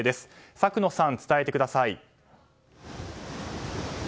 作野さん、伝えてください。